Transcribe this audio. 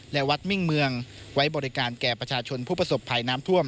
และวัดมิ่งเมืองไว้บริการแก่ประชาชนผู้ประสบภัยน้ำท่วม